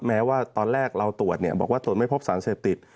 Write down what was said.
แม้ว่าตอนแรกเราตรวจบอกว่าตรวจไม่พบสารเสพติด